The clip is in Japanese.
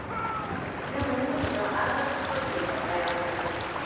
でもニューヨークではアートスクールにも通っていらしたって。